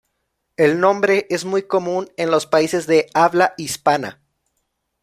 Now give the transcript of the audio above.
El nombre es muy común en los países de habla hispana.